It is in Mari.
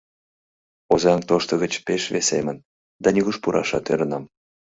Озаҥ тошто гыч пеш весемын, да нигуш пурашат ӧрынам.